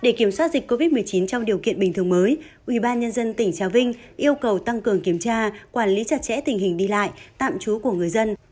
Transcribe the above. để kiểm soát dịch covid một mươi chín trong điều kiện bình thường mới ubnd tỉnh trà vinh yêu cầu tăng cường kiểm tra quản lý chặt chẽ tình hình đi lại tạm trú của người dân